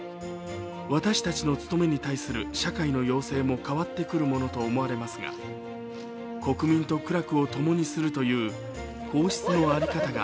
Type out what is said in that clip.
私たちの務めに対する社会の要請も変わってくるものと思われますが国民と苦楽をともにするという皇室の在り方が